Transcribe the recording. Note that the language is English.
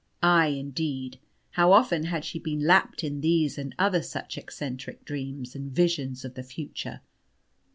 Ay, indeed, how often had she been lapt in these and other such eccentric dreams, and visions of the future!